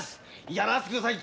やらせて下さい！